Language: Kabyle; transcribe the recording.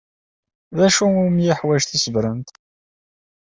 D acu umi yeḥwaj tisebrent?